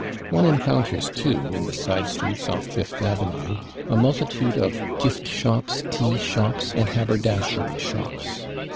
One encounters, too, in the side streets off Fifth avenue, a multitude of /gift shops/, /tea shops/ and /haberdashery shops